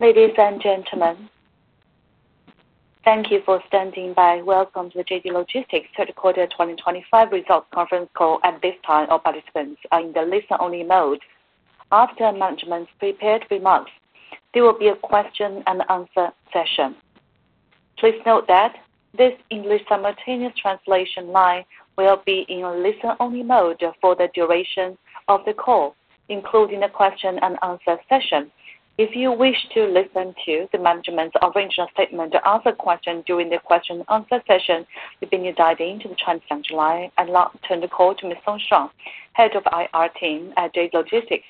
Ladies and gentlemen, thank you for standing by. Welcome to the JD Logistics third quarter 2025 results conference call. At this time, all participants are in the listen-only mode. After management's prepared remarks, there will be a question-and-answer session. Please note that this English simultaneous translation line will be in listen-only mode for the duration of the call, including the question-and-answer session. If you wish to listen to the management's original statement or answer question during the question-and-answer session, you've been invited into the transcription line and turn the call to Ms. Song Shan, Head of IR Team at JD Logistics.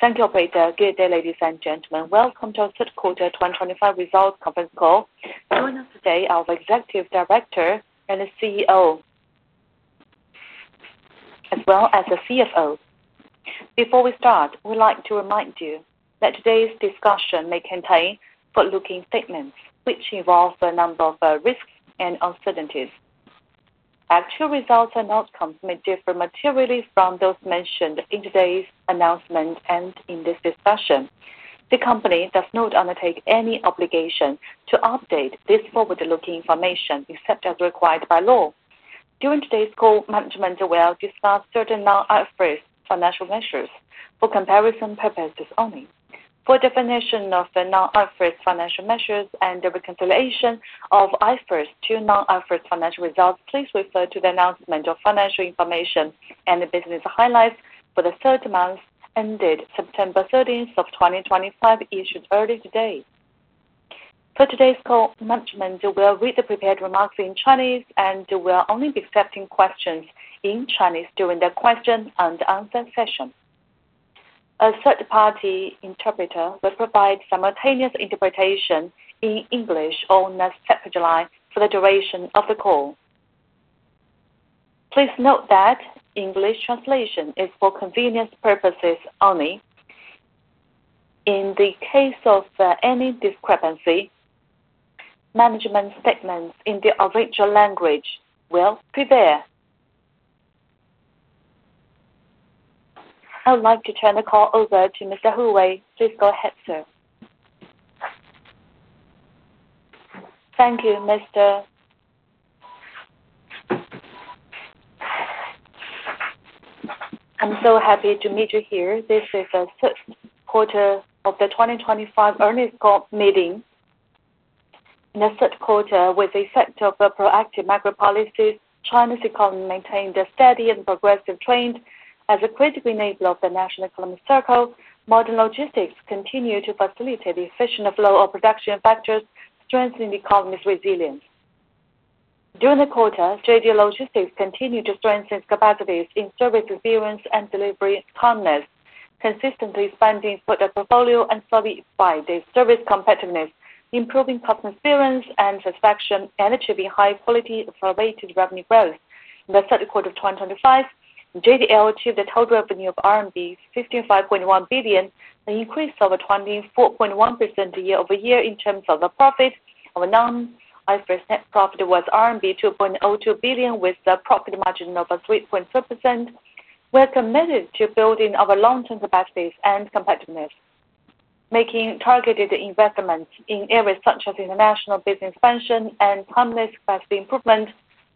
Thank you all for your good day, ladies and gentlemen. Welcome to our third quarter 2025 results conference call. Joining us today are our Executive Director and the CEO, as well as the CFO. Before we start, we'd like to remind you that today's discussion may contain forward-looking statements which involve a number of risks and uncertainties. Actual results and outcomes may differ materially from those mentioned in today's announcement and in this discussion. The company does not undertake any obligation to update this forward-looking information except as required by law. During today's call, management will discuss certain non-GAAP financial measures for comparison purposes only. For definition of the non-GAAP financial measures and the reconciliation of GAAP to non-GAAP financial results, please refer to the announcement of financial information and the business highlights for the three months ended September 30, 2025, issued earlier today. For today's call, management will read the prepared remarks in Chinese, and we'll only be accepting questions in Chinese during the question-and-answer session. A third-party interpreter will provide simultaneous interpretation in English on the separate line for the duration of the call. Please note that English translation is for convenience purposes only. In the case of any discrepancy, management statements in the original language will prevail. I would like to turn the call over to Mr. Hu Wei. Please go ahead, sir. Thank you, Mr. I'm so happy to meet you here. This is the sixth quarter of the 2025 earnings call meeting. In the third quarter, with the effect of proactive macro policies, China's economy maintained a steady and progressive trend as a critical enabler of the national economic circle. Modern logistics continue to facilitate the efficient flow of production factors, strengthening the economy's resilience. During the quarter, JD Logistics continued to strengthen its capacities in service experience and delivery calmness, consistently expanding both the portfolio and service compatibility, improving customer experience and satisfaction, and achieving high-quality evaluated revenue growth. In the third quarter of 2025, JDL achieved a total revenue of RMB 55.1 billion, an increase of 24.1% year over year in terms of profit. Our non-adverse net profit was RMB 2.02 billion, with a profit margin of 3.3%. We're committed to building our long-term capacities and compatibility, making targeted investments in areas such as international business expansion and timeless capacity improvement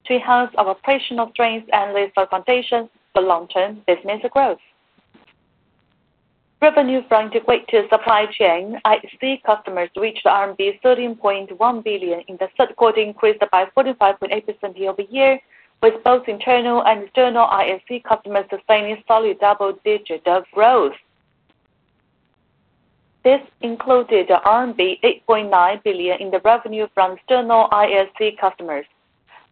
to enhance our operational strengths and lifestyle foundation for long-term business growth. Revenue from direct-to-supply chain ISC customers reached RMB 13.1 billion in the third quarter, increased by 45.8% year-over-year, with both internal and external ISC customers sustaining solid double-digit growth. This included RMB 8.9 billion in the revenue from external ISC customers.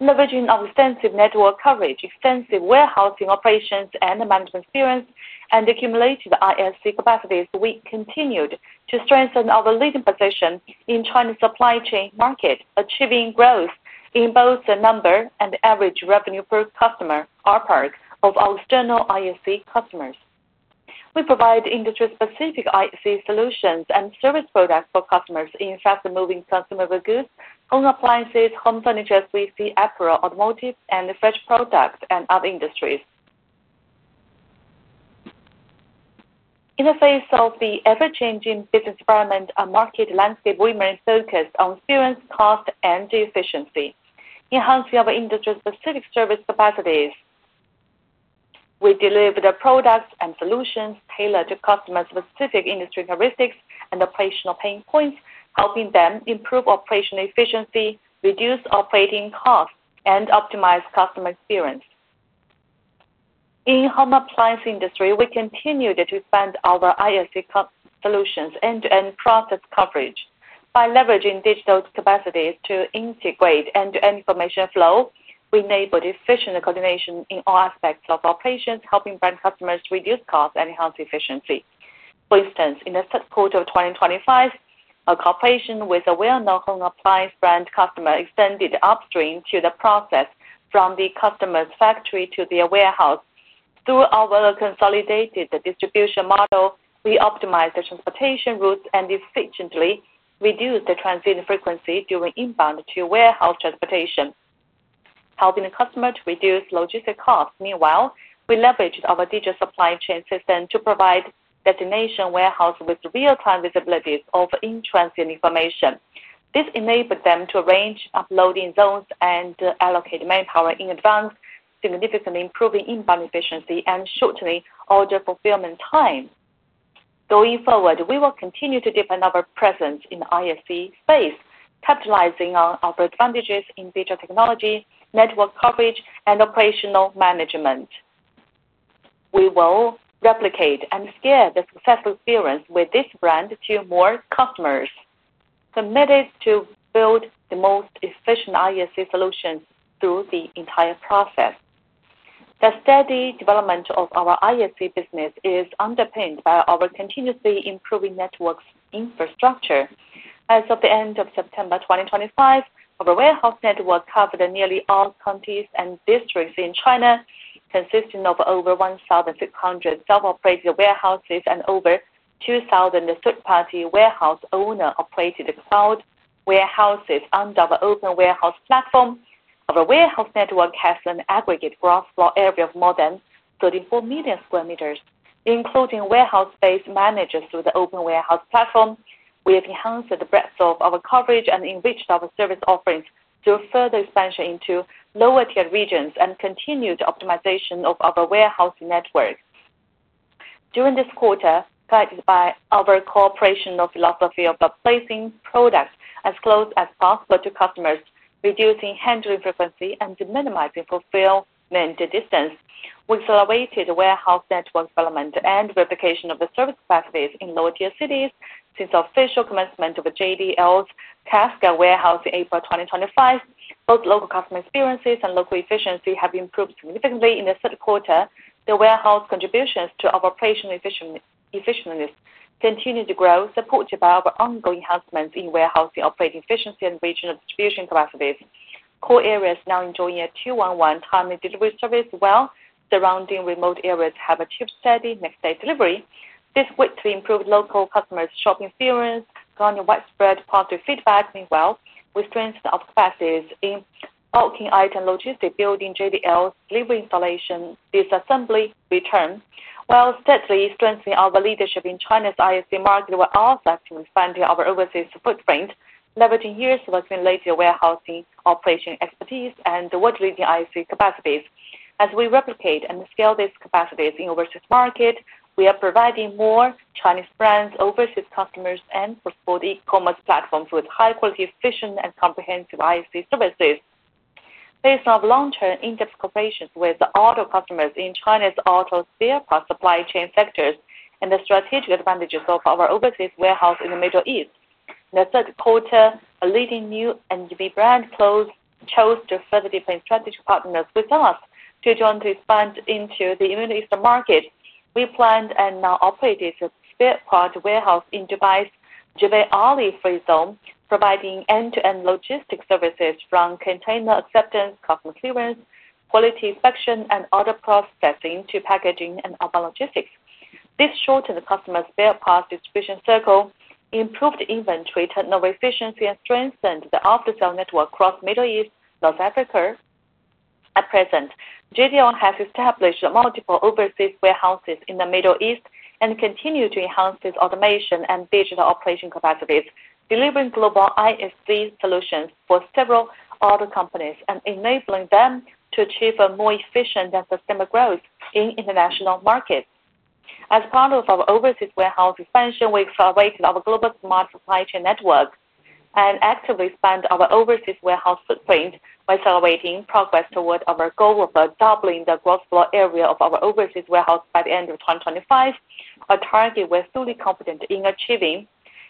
Leveraging our extensive network coverage, extensive warehousing operations, and management experience, and accumulated ISC capacities, we continued to strengthen our leading position in China's supply chain market, achieving growth in both the number and average revenue per customer RPARC of our external ISC customers. We provide industry-specific ISC solutions and service products for customers in fast-moving consumer goods, home appliances, home furniture, 3C, apparel, automotive, and fresh products, and other industries. In the face of the ever-changing business environment and market landscape, we remain focused on experience, cost, and efficiency, enhancing our industry-specific service capacities. We deliver the products and solutions tailored to customer-specific industry characteristics and operational pain points, helping them improve operational efficiency, reduce operating costs, and optimize customer experience. In the home appliance industry, we continue to expand our ISV solutions' end-to-end process coverage by leveraging digital capacities to integrate end-to-end information flow. We enable efficient coordination in all aspects of operations, helping brand customers reduce costs and enhance efficiency. For instance, in the third quarter of 2025, a corporation with a well-known home appliance brand customer extended upstream to the process from the customer's factory to their warehouse. Through our consolidated distribution model, we optimized the transportation routes and efficiently reduced the transit frequency during inbound to warehouse transportation, helping the customer to reduce logistic costs. Meanwhile, we leveraged our digital supply chain system to provide destination warehouses with real-time visibility of in-transit information. This enabled them to arrange uploading zones and allocate manpower in advance, significantly improving inbound efficiency and shortening order fulfillment time. Going forward, we will continue to deepen our presence in the ISV space, capitalizing on our advantages in digital technology, network coverage, and operational management. We will replicate and scale the successful experience with this brand to more customers, committed to build the most efficient ISV solutions through the entire process. The steady development of our ISV business is underpinned by our continuously improving network infrastructure. As of the end of September 2025, our warehouse network covered nearly all counties and districts in China, consisting of over 1,600 self-operated warehouses and over 2,000 third-party warehouse owners operating the cloud warehouses under our open warehouse platform. Our warehouse network has an aggregate gross floor area of more than 34 million square meters, including warehouse-based managers through the open warehouse platform. We have enhanced the breadth of our coverage and enriched our service offerings through further expansion into lower-tier regions and continued optimization of our warehouse network. During this quarter, guided by our cooperational philosophy of placing products as close as possible to customers, reducing handling frequency and minimizing fulfillment distance, we accelerated warehouse network development and replication of the service capacities in lower-tier cities. Since the official commencement of JDL Kafka warehouse in April 2025, both local customer experiences and local efficiency have improved significantly. In the third quarter, the warehouse contributions to our operational efficiency continue to grow, supported by our ongoing enhancements in warehouse operating efficiency and regional distribution capacities. Core areas now enjoying a 2-1-1 timely delivery service, while surrounding remote areas have achieved steady next-day delivery. This quickly improved local customers' shopping experience, garnering widespread positive feedback. Meanwhile, we strengthened our capacities in bulky item logistics, building JDL delivery, installation, disassembly, and return, while steadily strengthening our leadership in China's ISC market while also actively expanding our overseas footprint, leveraging years of accumulated warehousing operation expertise and world-leading ISC capacities. As we replicate and scale these capacities in overseas markets, we are providing more Chinese brands, overseas customers, and forceful e-commerce platforms with high-quality, efficient, and comprehensive ISC services. Based on our long-term in-depth cooperation with all our customers in China's auto sphere, plus supply chain sectors and the strategic advantages of our overseas warehouse in the Middle East, in the third quarter, a le ading new NEV brand chose to further deepen strategic partnerships with us to join to expand into the Middle Eastern market. We planned and now operate a spare part warehouse in Dubai Jebel Ali Free Zone, providing end-to-end logistics services from container acceptance, customs clearance, quality inspection, and order processing to packaging and urban logistics. This shortened the customer spare parts distribution cycle, improved inventory turnover efficiency, and strengthened the after-sale network across the Middle East and North Africa. At present, JD Logistics has established multiple overseas warehouses in the Middle East and continues to enhance its automation and digital operation capacities, delivering global ISV solutions for several auto companies and enabling them to achieve a more efficient and sustainable growth in international markets. As part of our overseas warehouse expansion, we accelerated our global smart supply chain network and actively expanded our overseas warehouse footprint by accelerating progress toward our goal of doubling the gross floor area of our overseas warehouse by the end of 2025, a target we're fully confident in achieving.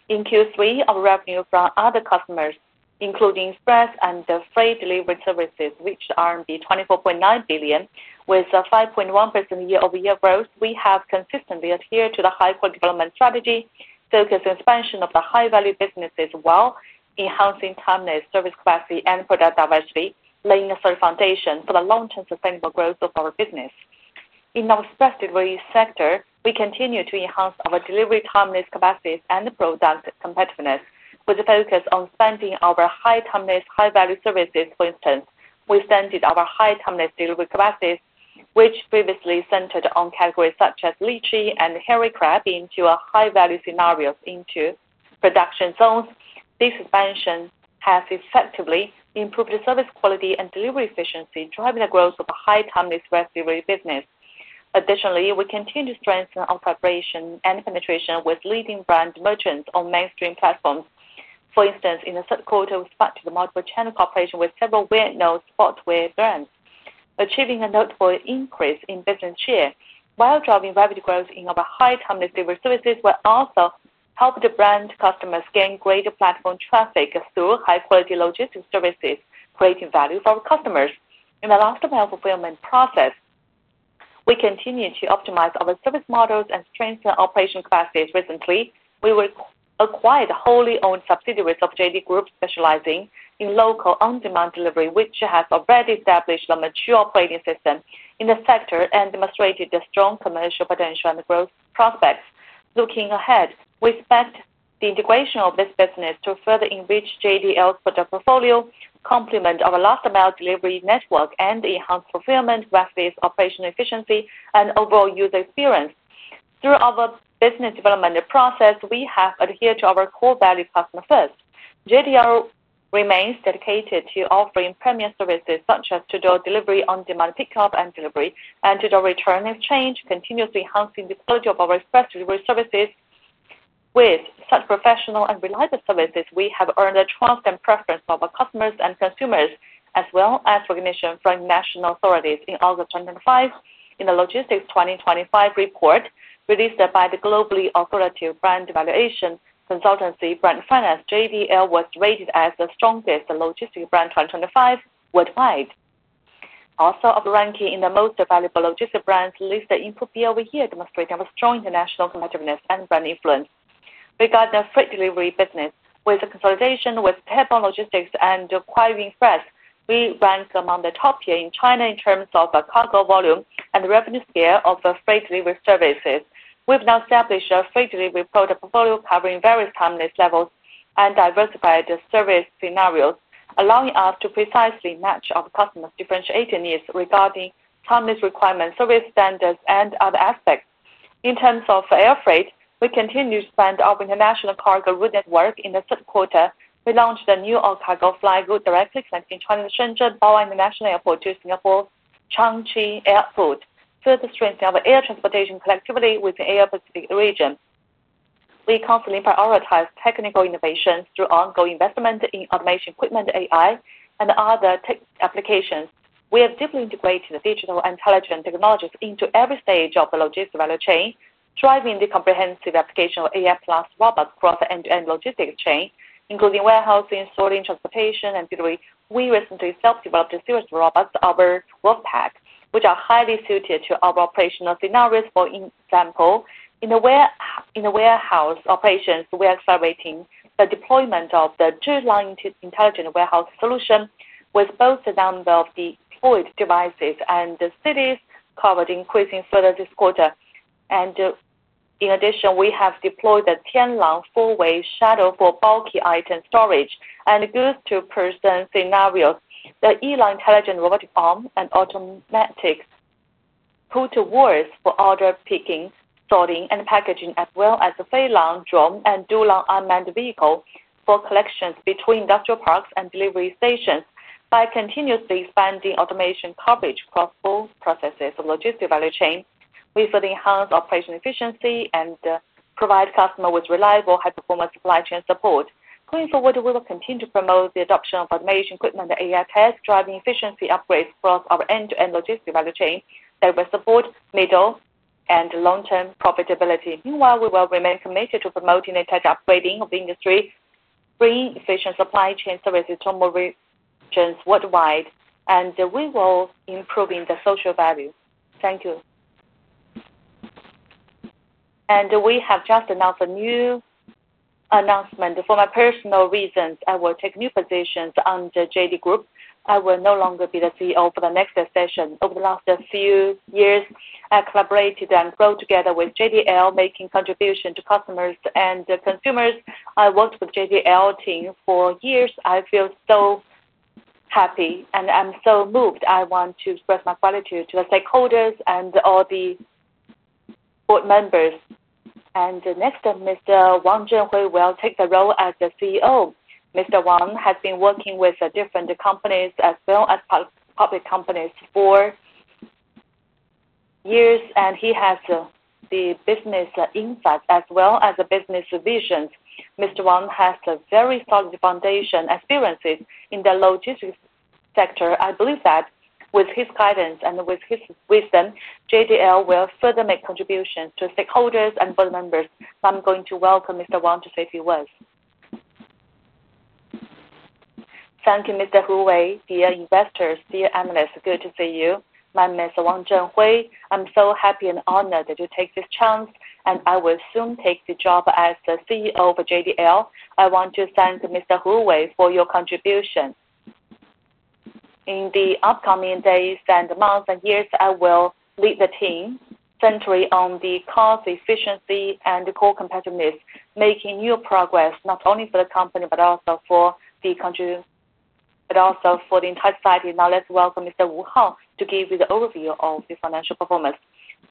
In Q3, our revenue from other customers, including express and freight delivery services, reached RMB 24.9 billion, with a 5.1% year-over-year growth. We have consistently adhered to the high-quality development strategy, focusing on expansion of the high-value businesses, while enhancing timeliness service capacity and product diversity, laying a solid foundation for the long-term sustainable growth of our business. In our respective sectors, we continue to enhance our delivery timeliness capacities and product competitiveness, with a focus on expanding our high-timeliness, high-value services. For instance, we extended our high-timeliness delivery capacities, which previously centered on categories such as lychee and hairy crab, into high-value scenarios in production zones. This expansion has effectively improved the service quality and delivery efficiency, driving the growth of the high-timeliness fresh business. Additionally, we continue to strengthen our cooperation and penetration with leading brand merchants on mainstream platforms. For instance, in the third quarter, we sparked a multi-channel cooperation with several well-known sportswear brands, achieving a noteworthy increase in business share. While driving rapid growth in our high-timeliness delivery services, we also helped the brand customers gain greater platform traffic through high-quality logistics services, creating value for our customers. In the last-mile fulfillment process, we continue to optimize our service models and strengthen our operational capacities. Recently, we acquired a wholly owned subsidiary of JD Group, specializing in local on-demand delivery, which has already established a mature operating system in the sector and demonstrated strong commercial potential and growth prospects. Looking ahead, we expect the integration of this business to further enrich JDL product portfolio, complement our last-mile delivery network, and enhance fulfillment, graphics, operational efficiency, and overall user experience. Through our business development process, we have adhered to our core value: customer first. JDL remains dedicated to offering premier services such as to-do delivery, on-demand pickup and delivery, and to-do return exchange, continuously enhancing the quality of our express delivery services. With such professional and reliable services, we have earned the trust and preference of our customers and consumers, as well as recognition from national authorities. In August 2025, in the Logistics 2025 report released by the globally authoritative brand evaluation consultancy Brand Finance, JDL was rated as the strongest logistics brand 2025 worldwide. Also, our ranking in the most valuable logistics brands listed in China over a year demonstrates our strong international competitiveness and brand influence. Regarding the freight delivery business, with consolidation with Deppon Logistics and acquiring Kuayue-Express Group, we rank among the top tier in China in terms of cargo volume and revenue scale of freight delivery services. We've now established a freight delivery product portfolio covering various timeliness levels and diversified service scenarios, allowing us to precisely match our customers' differentiated needs regarding timeliness requirements, service standards, and other aspects. In terms of air freight, we continue to expand our international cargo route network. In the third quarter, we launched a new all-cargo flight route directly connecting China's Shenzhen Bao'an International Airport to Singapore Changi Airport, further strengthening our air transportation connectivity within the Asia-Pacific region. We constantly prioritize technical innovations through ongoing investment in automation equipment, AI, and other tech applications. We have deeply integrated digital intelligence technologies into every stage of the logistics value chain, driving the comprehensive application of AI Plus Robots across the end-to-end logistics chain, including warehousing, sorting, transportation, and delivery. We recently self-developed a series of robots, our Wolfpack Robots, which are highly suited to our operational scenarios. For example, in the warehouse operations, we are accelerating the deployment of the TrueLine Intelligent Warehouse solution, with both the number of deployed devices and the cities covered increasing further this quarter. In addition, we have deployed the Tianlong Four-Way Shuttle for bulky item storage and goods-to-person scenarios, the ELON Intelligent Robotic Arm and automatic pull-to-wheels for order picking, sorting, and packaging, as well as the Feilong Drum and Dulong Unmanned Vehicle for collections between industrial parks and delivery stations. By continuously expanding automation coverage across both processes of the logistics value chain, we further enhance operational efficiency and provide customers with reliable, high-performance supply chain support. Going forward, we will continue to promote the adoption of automation equipment and AI techs, driving efficiency upgrades across our end-to-end logistics value chain that will support middle and long-term profitability. Meanwhile, we will remain committed to promoting the tech upgrading of the industry, bringing efficient supply chain services to more regions worldwide, and we will improve the social value. Thank you. We have just announced a new announcement. For my personal reasons, I will take new positions under JD Group. I will no longer be the CEO for the next session. Over the last few years, I collaborated and grew together with JDL, making contributions to customers and consumers. I worked with the JDL team for years. I feel so happy and I'm so moved. I want to express my gratitude to the stakeholders and all the board members. Next up, Mr. Wang Zhenhui will take the role as the CEO. Mr. Wang has been working with different companies as well as public companies for years, and he has the business insights as well as the business visions. Mr. Wang has very solid foundation experiences in the logistics sector. I believe that with his guidance and with his wisdom, JDL will further make contributions to stakeholders and board members. I'm going to welcome Mr. Thank you, Mr. Hu Wei. Dear investors, dear analysts, good to see you. My name is Wang Zhenhui. I'm so happy and honored to take this chance, and I will soon take the job as the CEO of JDL. I want to thank Mr. Hu Wei for your contribution. In the upcoming days and months and years, I will lead the team centrally on the cost efficiency and core competitiveness, making new progress not only for the company but also for the country, but also for the entire society. Now, let's welcome Mr. Wu Hao to give you the overview of the financial performance.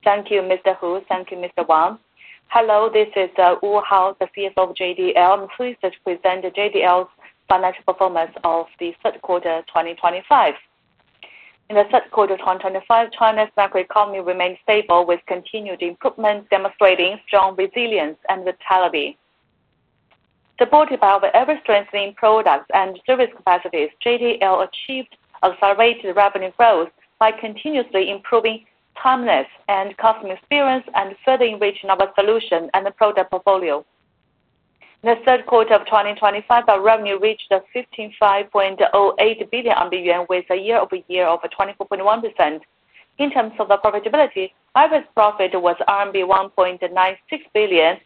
Thank you, Mr. Hu. Thank you, Mr. Wang. Hello, this is Wu Hao, the CFO of JDL. I'm pleased to present JDL financial performance of the third quarter 2025. In the third quarter 2025, China's macroeconomy remained stable with continued improvements, demonstrating strong resilience and stability. Supported by our ever-strengthening products and service capacities, JDL achieved accelerated revenue growth by continuously improving timeliness and customer experience and further enriching our solution and product portfolio. In the third quarter of 2025, our revenue reached 155.08 billion, with a year-over-year of 24.1%. In terms of profitability, average profit was RMB 1.96 billion.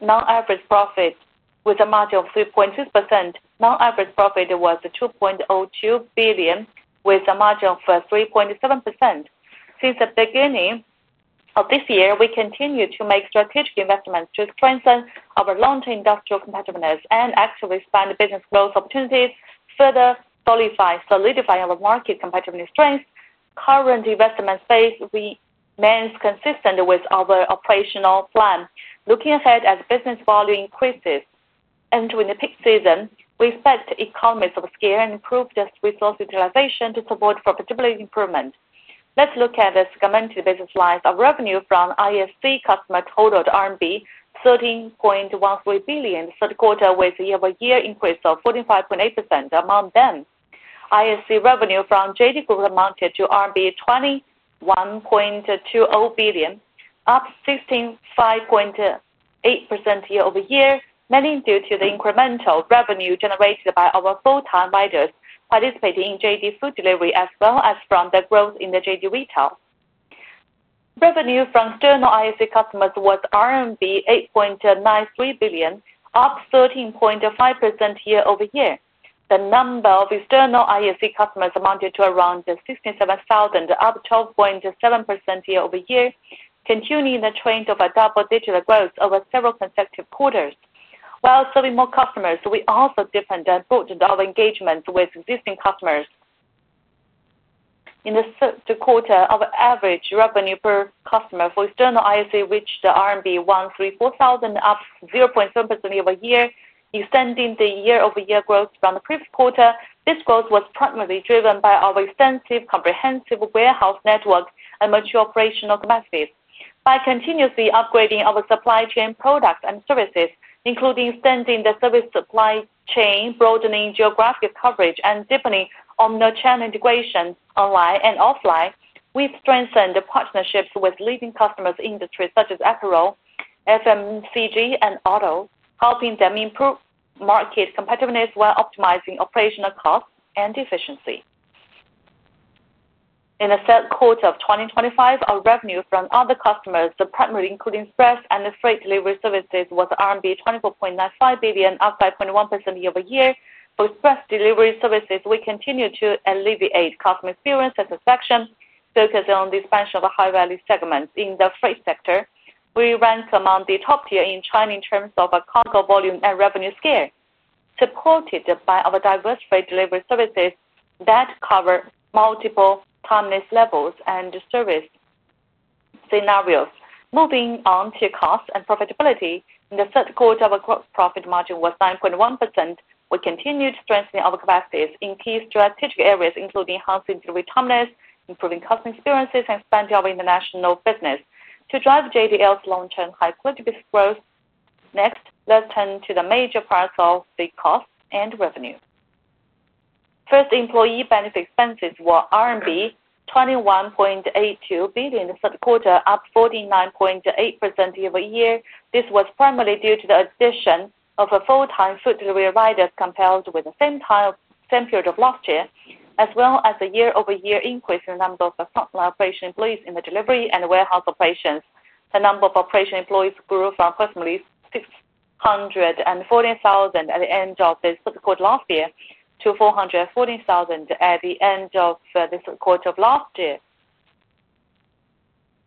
Non-average profit with a margin of 3.6%. Non-average profit was 2.02 billion with a margin of 3.7%. Since the beginning of this year, we continue to make strategic investments to strengthen our long-term industrial competitiveness and actually expand business growth opportunities, further solidify our market competitiveness strength. Current investment phase remains consistent with our operational plan. Looking ahead as business volume increases entering the peak season, we expect economies of scale and improved resource utilization to support profitability improvement. Let's look at the segmented business lines of revenue from ISC customer totaled RMB 13.13 billion in the third quarter, with a year-over-year increase of 45.8%. Among them, ISC revenue from JD Group amounted to RMB 21.20 billion, up 165.8% year-over-year, mainly due to the incremental revenue generated by our full-time riders participating in JD food delivery, as well as from the growth in the JD retail. Revenue from external ISC customers was RMB 8.93 billion, up 13.5% year-over-year. The number of external ISC customers amounted to around 67,000, up 12.7% year-over-year, continuing the trend of double-digit growth over several consecutive quarters. While serving more customers, we also deepened and broadened our engagements with existing customers. In the third quarter, our average revenue per customer for external ISC reached RMB 134,000, up 0.7% year-over-year, extending the year-over-year growth from the previous quarter. This growth was primarily driven by our extensive comprehensive warehouse network and mature operational capacities. By continuously upgrading our supply chain products and services, including extending the service supply chain, broadening geographic coverage, and deepening on-the-chain integration online and offline, we strengthened partnerships with leading customers in industries such as apparel, FMCG, and auto, helping them improve market competitiveness while optimizing operational costs and efficiency. In the third quarter of 2025, our revenue from other customers, primarily including express and freight delivery services, was RMB 24.95 billion, up 5.1% year-over-year. For express delivery services, we continue to alleviate customer experience satisfaction, focusing on the expansion of the high-value segments in the freight sector. We rank among the top tier in China in terms of cargo volume and revenue scale, supported by our diverse freight delivery services that cover multiple timeliness levels and service scenarios. Moving on to cost and profitability, in the third quarter, our gross profit margin was 9.1%. We continued strengthening our capacities, increased strategic areas, including enhancing delivery timeliness, improving customer experiences, and expanding our international business to drive JDL long-term high-quality business growth. Next, let's turn to the major parts of the cost and revenue. First, employee benefit expenses were RMB 21.82 billion in the third quarter, up 49.8% year-over-year. This was primarily due to the addition of full-time food delivery riders compared with the same period of last year, as well as the year-over-year increase in the number of frontline operation employees in the delivery and warehouse operations. The number of operation employees grew from approximately 640,000 at the end of the third quarter last year to 414,000 at the end of the third quarter of last year.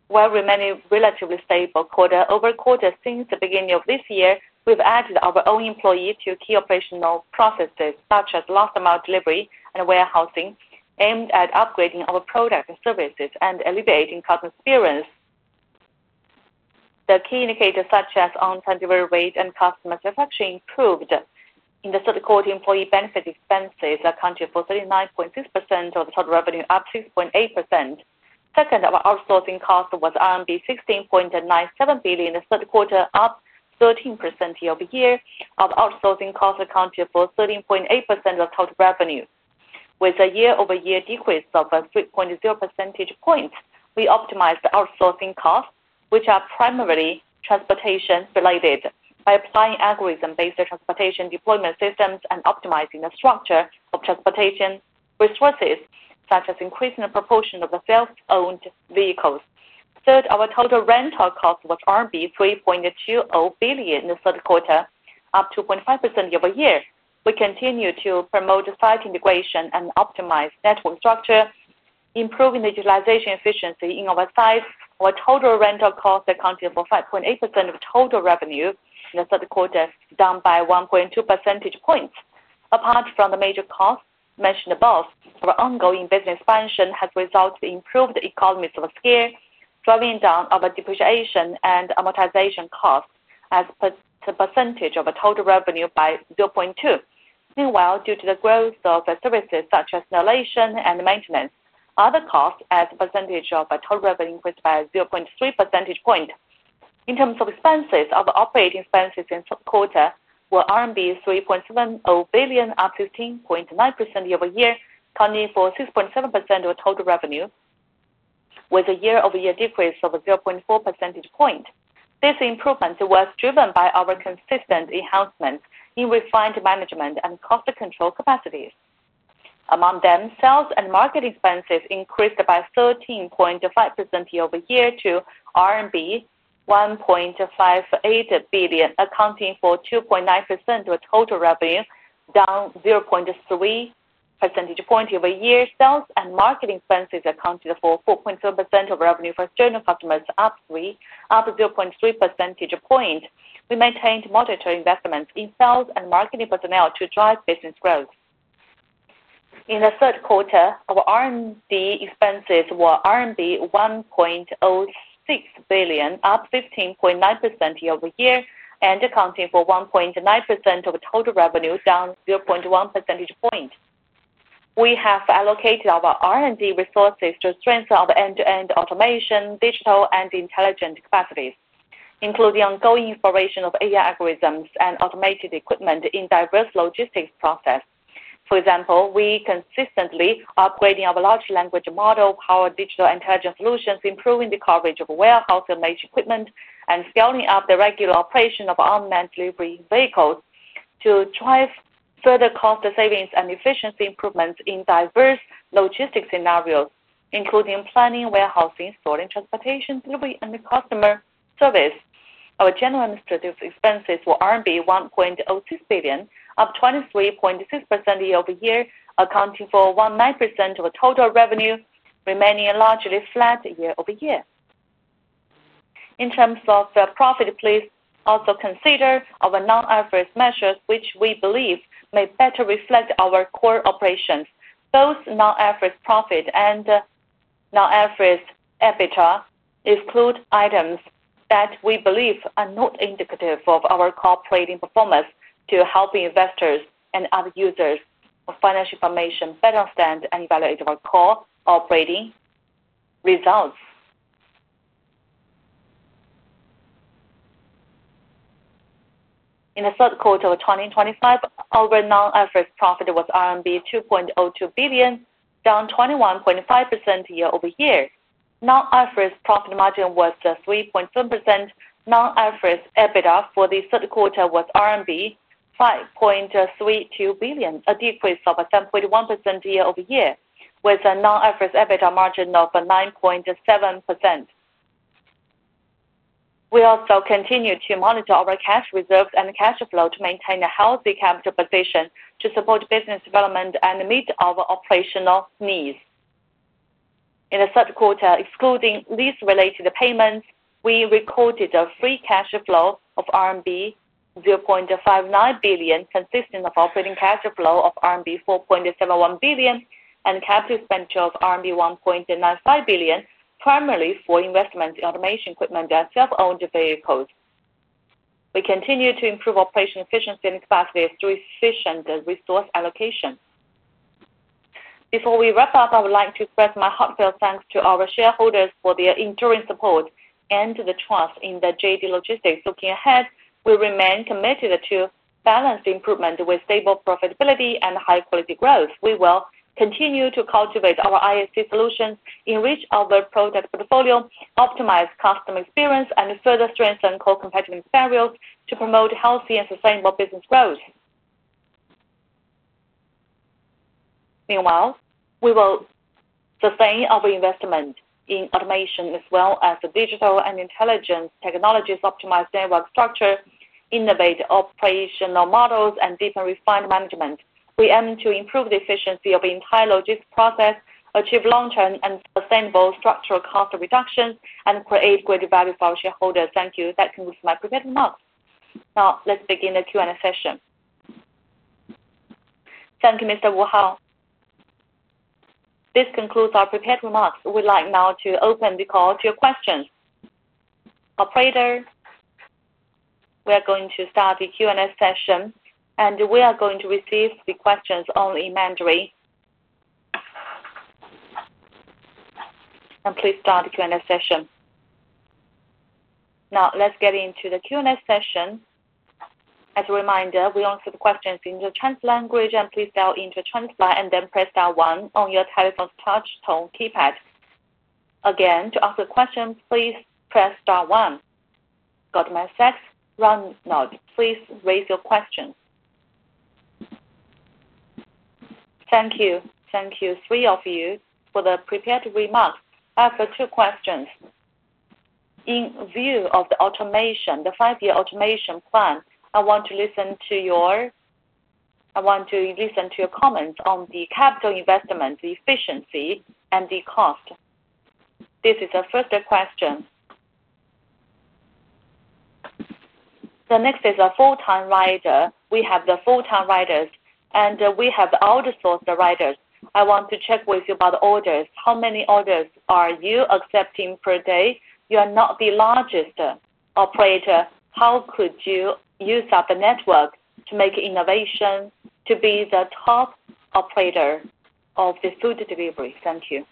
While remaining relatively stable over the quarter since the beginning of this year, we've added our own employees to key operational processes such as last-mile delivery and warehousing, aimed at upgrading our product and services and alleviating customer experience. The key indicators such as on-time delivery rate and customer satisfaction improved. In the third quarter, employee benefit expenses accounted for 39.6% of the total revenue, up 6.8%. Second, our outsourcing cost was RMB 16.97 billion the third quarter, up 13% year-over-year. Our outsourcing cost accounted for 13.8% of total revenue. With a year-over-year decrease of 3.0 percentage points, we optimized the outsourcing costs, which are primarily transportation-related, by applying algorithm-based transportation deployment systems and optimizing the structure of transportation resources, such as increasing the proportion of the self-owned vehicles. Third, our total rental cost was RMB 3.20 billion in the third quarter, up 2.5% year-over-year. We continue to promote site integration and optimize network structure, improving the utilization efficiency in our sites. Our total rental cost accounted for 5.8% of total revenue in the third quarter, down by 1.2 percentage points. Apart from the major costs mentioned above, our ongoing business expansion has resulted in improved economies of scale, driving down our depreciation and amortization costs as a percentage of total revenue by 0.2%. Meanwhile, due to the growth of services such as installation and maintenance, other costs as a percentage of total revenue increased by 0.3 percentage points. In terms of expenses, our operating expenses in the third quarter were RMB 3.70 billion, up 16.9% year-over-year, accounting for 6.7% of total revenue, with a year-over-year decrease of 0.4 percentage points. This improvement was driven by our consistent enhancements in refined management and cost control capacities. Among them, sales and marketing expenses increased by 13.5% year-over-year to RMB 1.58 billion, accounting for 2.9% of total revenue, down 0.3 percentage points year-over-year. Sales and marketing expenses accounted for 4.7% of revenue for external customers, up 0.3 percentage points. We maintained monetary investments in sales and marketing personnel to drive business growth. In the third quarter, our R&D expenses were 1.06 billion, up 15.9% year-over-year, and accounting for 1.9% of total revenue, down 0.1 percentage points. We have allocated our R&D resources to strengthen our end-to-end automation, digital, and intelligent capacities, including ongoing operation of AI algorithms and automated equipment in diverse logistics processes. For example, we consistently upgraded our large language model, powered digital intelligence solutions, improving the coverage of warehouse and major equipment, and scaling up the regular operation of our unmanned delivery vehicles to drive further cost savings and efficiency improvements in diverse logistics scenarios, including planning, warehousing, storage, transportation, delivery, and customer service. Our general administrative expenses were RMB 1.06 billion, up 23.6% year-over-year, accounting for 19% of total revenue, remaining largely flat year-over-year. In terms of profit, please also consider our non-adverse measures, which we believe may better reflect our core operations. Both non-GAAP profit and non-GAAP EBITDA exclude items that we believe are not indicative of our operating performance to help investors and other users of financial information better understand and evaluate our core operating results. In the third quarter of 2025, our non-GAAP profit was RMB 2.02 billion, down 21.5% year-over-year. Non-GAAP profit margin was 3.7%. Non-GAAP EBITDA for the third quarter was RMB 5.32 billion, a decrease of 7.1% year-over-year, with a non-GAAP EBITDA margin of 9.7%. We also continue to monitor our cash reserves and cash flow to maintain a healthy capital position to support business development and meet our operational needs. In the third quarter, excluding lease-related payments, we recorded a free cash flow of RMB 0.59 billion, consisting of operating cash flow of RMB 4.71 billion and capital expenditure of RMB 1.95 billion, primarily for investments in automation equipment and self-owned vehicles. We continue to improve operational efficiency and capacity through efficient resource allocation. Before we wrap up, I would like to express my heartfelt thanks to our shareholders for their enduring support and the trust in JD Logistics. Looking ahead, we remain committed to balanced improvement with stable profitability and high-quality growth. We will continue to cultivate our ISC solutions, enrich our product portfolio, optimize customer experience, and further strengthen core competitive scenarios to promote healthy and sustainable business growth. Meanwhile, we will sustain our investment in automation, as well as digital and intelligence technologies, optimize network structure, innovate operational models, and deepen refined management. We aim to improve the efficiency of the entire logistics process, achieve long-term and sustainable structural cost reductions, and create greater value for our shareholders. Thank you. That concludes my prepared remarks. Now, let's begin the Q&A session. Thank you, Mr. Wu Hao. This concludes our prepared remarks. We'd like now to open the call to your questions. Operator, we are going to start the Q&A session, and we are going to receive the questions only mandatory. Please start the Q&A session. Now, let's get into the Q&A session. As a reminder, we answer the questions in the trans language, and please dial into trans line and then press star one on your telephone's touch-tone keypad. Again, to ask a question, please press star one. Got my sex run nod. Please raise your question. Thank you. Thank you, three of you, for the prepared remarks. I have two questions. In view of the automation, the five-year automation plan, I want to listen to your, I want to listen to your comments on the capital investment, the efficiency, and the cost. This is the first question. The next is a full-time rider. We have the full-time riders, and we have outsourced the riders. I want to check with you about orders. How many orders are you accepting per day? You are not the largest operator. How could you use up the network to make innovation to be the top operator of the food delivery? Thank you.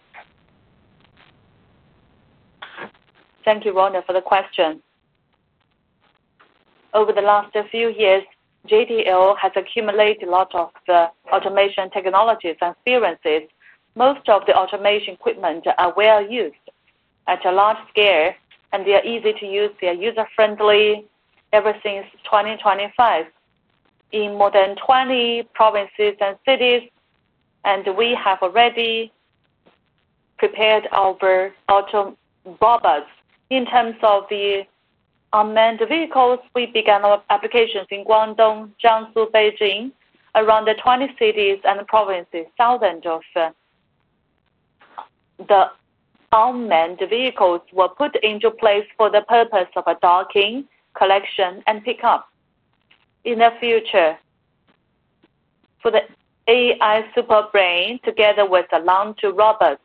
Thank you, Rona, for the question. Over the last few years, JDL has accumulated a lot of automation technologies and experiences. Most of the automation equipment are well-used at a large scale, and they are easy to use. They are user-friendly ever since 2025 in more than 20 provinces and cities, and we have already prepared our auto robots. In terms of the unmanned vehicles, we began our applications in Guangdong, Jiangsu, Beijing, around 20 cities and provinces south of the unmanned vehicles were put into place for the purpose of docking, collection, and pickup. In the future, for the AI super brain, together with the launch robots,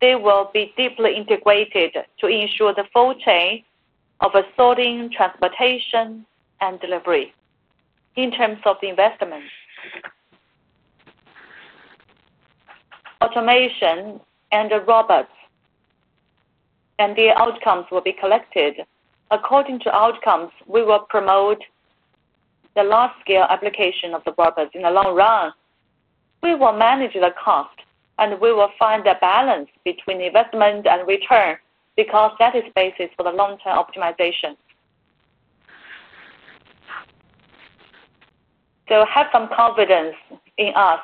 they will be deeply integrated to ensure the full chain of assorting, transportation, and delivery. In terms of investments, automation and robots, and the outcomes will be collected. According to outcomes, we will promote the large-scale application of the robots in the long run. We will manage the cost, and we will find the balance between investment and return because that is basis for the long-term optimization. Have some confidence in us.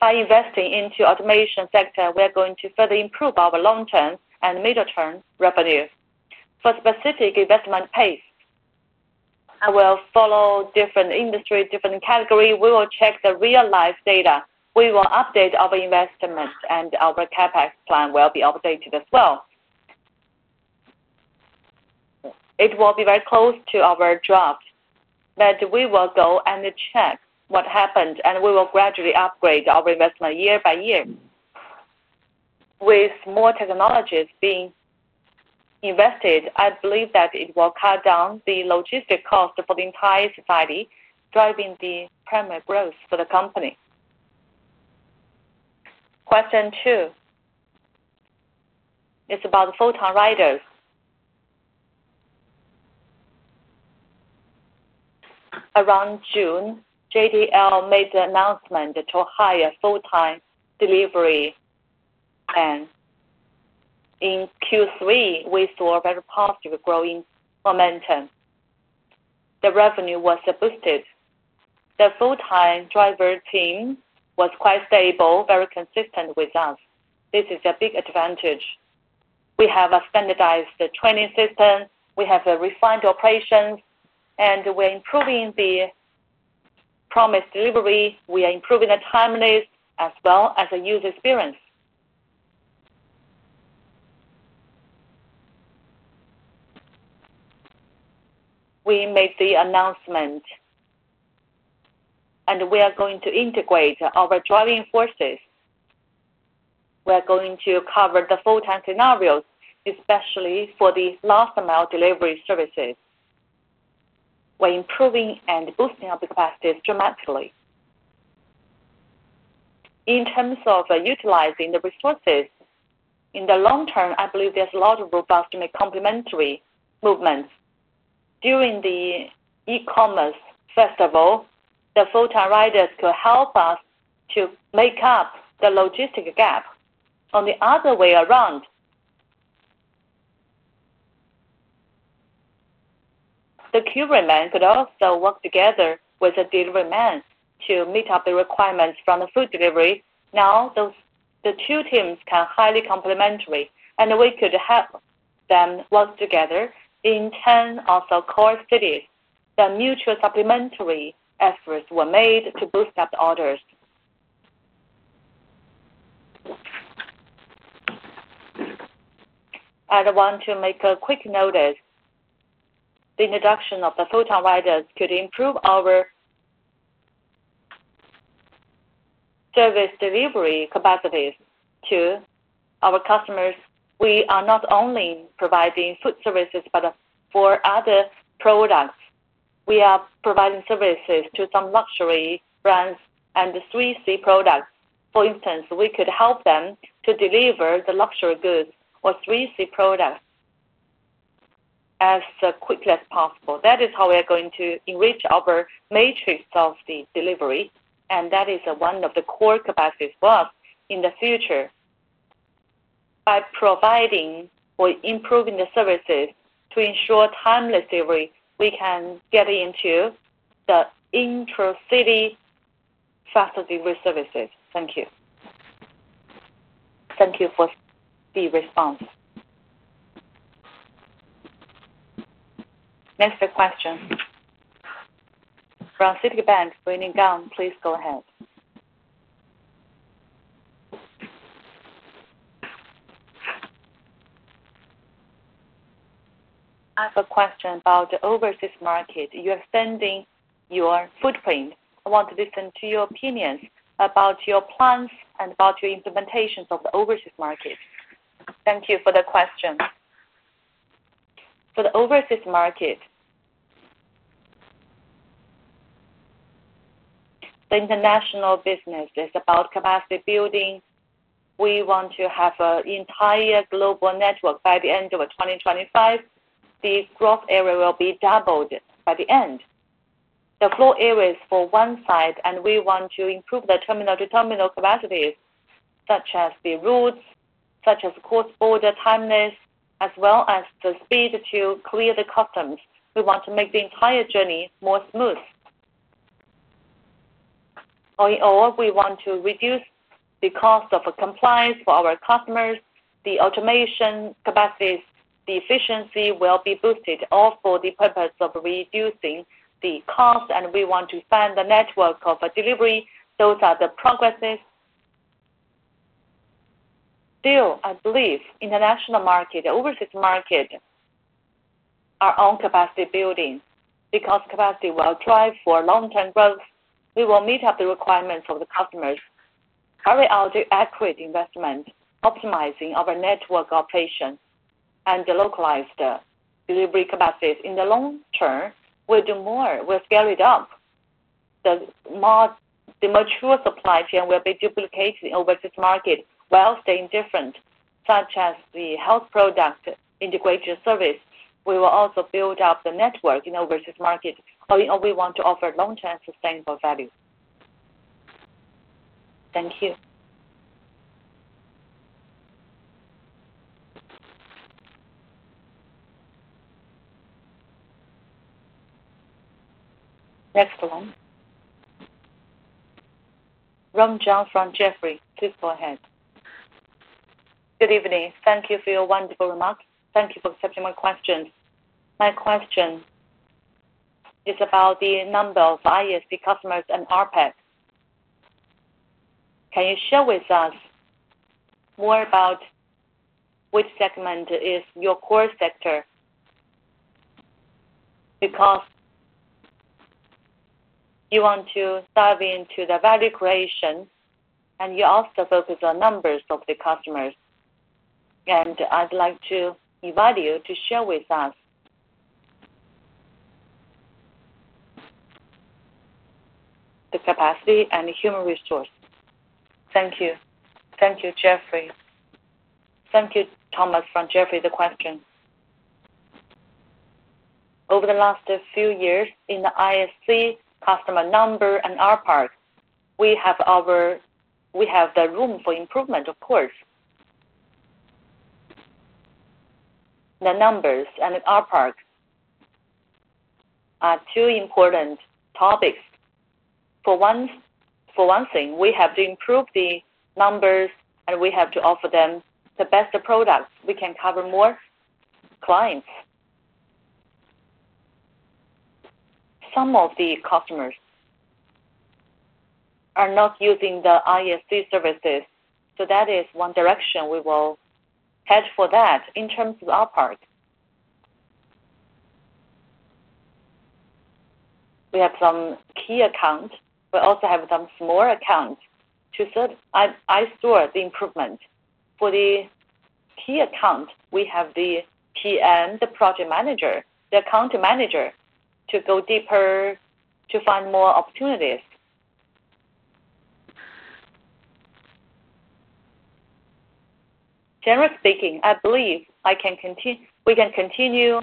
By investing into the automation sector, we are going to further improve our long-term and middle-term revenue. For specific investment pace, I will follow different industries, different categories. We will check the real-life data. We will update our investments, and our CapEx plan will be updated as well. It will be very close to our draft, but we will go and check what happened, and we will gradually upgrade our investment year by year. With more technologies being invested, I believe that it will cut down the logistic cost for the entire society, driving the primary growth for the company. Question two is about full-time riders. Around June, JDL made the announcement to hire full-time delivery in Q3, which saw very positive growing momentum. The revenue was boosted. The full-time driver team was quite stable, very consistent with us. This is a big advantage. We have a standardized training system. We have refined operations, and we are improving the promised delivery. We are improving the timeliness as well as the user experience. We made the announcement, and we are going to integrate our driving forces. We are going to cover the full-time scenarios, especially for the last-mile delivery services. We're improving and boosting our capacities dramatically. In terms of utilizing the resources in the long term, I believe there's a lot of robust and complementary movements. During the e-commerce festival, the full-time riders could help us to make up the logistic gap. On the other way around, the Q remain could also work together with the delivery man to meet up the requirements from the food delivery. Now, the two teams can highly complementary, and we could help them work together in 10 of our core cities. The mutual supplementary efforts were made to boost up the orders. I want to make a quick notice. The introduction of the full-time riders could improve our service delivery capacities to our customers. We are not only providing food services, but for other products. We are providing services to some luxury brands and 3C products. For instance, we could help them to deliver the luxury goods or 3C products as quickly as possible. That is how we are going to enrich our matrix of the delivery, and that is one of the core capacities for us in the future. By providing or improving the services to ensure timely delivery, we can get into the intra-city fast delivery services. Thank you. Thank you for the response. Next question. Brown City Band, raining down. Please go ahead. I have a question about the overseas market. You are sending your footprint. I want to listen to your opinions about your plans and about your implementations of the overseas market. Thank you for the question. For the overseas market, the international business is about capacity building. We want to have an entire global network by the end of 2025. The growth area will be doubled by the end. The floor area is for one side, and we want to improve the terminal-to-terminal capacities, such as the routes, such as cross-border timeliness, as well as the speed to clear the customs. We want to make the entire journey more smooth. All in all, we want to reduce the cost of compliance for our customers. The automation capacities, the efficiency will be boosted all for the purpose of reducing the cost, and we want to expand the network of delivery. Those are the progresses. Still, I believe the international market, the overseas market, our own capacity building because capacity will drive for long-term growth. We will meet up the requirements of the customers, carry out accurate investment, optimizing our network operation, and localize the delivery capacities. In the long term, we'll do more. We'll scale it up. The mature supply chain will be duplicated in the overseas market while staying different, such as the health product integrated service. We will also build up the network in the overseas market. All in all, we want to offer long-term sustainable value. Thank you. Next one. Ron John from Jefferies. Please go ahead. Good evening. Thank you for your wonderful remarks. Thank you for accepting my questions. My question is about the number of ISC customers and RPARC. Can you share with us more about which segment is your core sector? Because you want to dive into the value creation, and you also focus on numbers of the customers. I'd like to invite you to share with us the capacity and human resource. Thank you. Thank you, Jefferies. Thank you, Thomas from Jefferies, the question. Over the last few years in the ISC customer number and RPARC, we have the room for improvement, of course. The numbers and RPARC are two important topics. For one thing, we have to improve the numbers, and we have to offer them the best products. We can cover more clients. Some of the customers are not using the ISC services, so that is one direction we will head for that in terms of RPARC. We have some key accounts. We also have some small accounts to serve. I store the improvement. For the key account, we have the PM, the project manager, the account manager to go deeper to find more opportunities. Generally speaking, I believe we can continue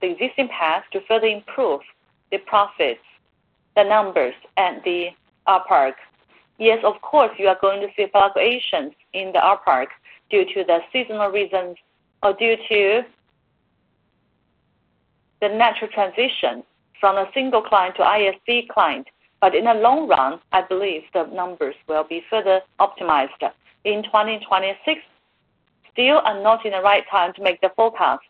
the existing path to further improve the profits, the numbers, and the RPARC. Yes, of course, you are going to see fluctuations in the RPAC due to the seasonal reasons or due to the natural transition from a single client to ISC client. In the long run, I believe the numbers will be further optimized. In 2026, still I'm not in the right time to make the forecast.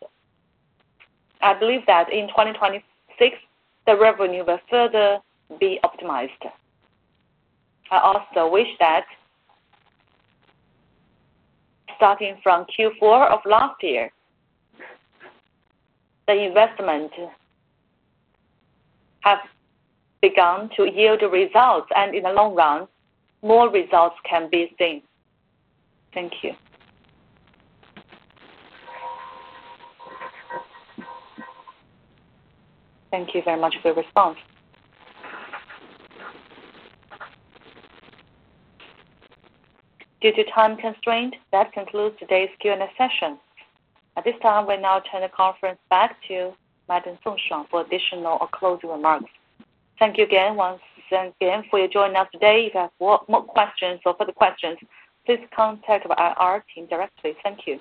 I believe that in 2026, the revenue will further be optimized. I also wish that starting from Q4 of last year, the investment has begun to yield results, and in the long run, more results can be seen. Thank you. Thank you very much for your response. Due to time constraints, that concludes today's Q&A session. At this time, we now turn the conference back to Madam Song Shan for additional or closing remarks. Thank you again once again for your joining us today. If you have more questions or further questions, please contact our team directly. Thank you.